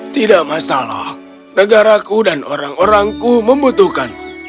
tidak masalah negaraku dan orang orangku membutuhkan